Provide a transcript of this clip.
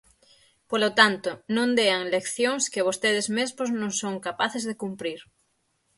Polo tanto, non dean leccións que vostedes mesmos non son capaces de cumprir.